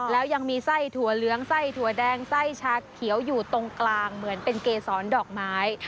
แล้วยังมีไส้ถั่วเหลืองไส้ถั่วแดงไส้ชาเขียวอยู่ตรงกลางเหมือนเป็นเกษรดอกไม้